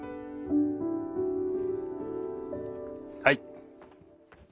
はい。